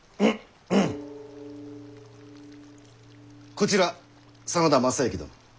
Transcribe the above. こちら真田昌幸殿。